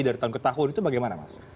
dari tahun ke tahun itu bagaimana mas